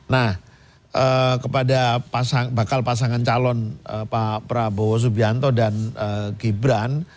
nah kepada bakal pasangan calon pak prabowo subianto dan gibran